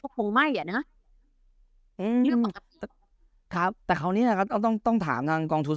เขาคงไม่อ่ะนะอืมครับแต่คราวนี้นะครับต้องต้องถามทางกองทุน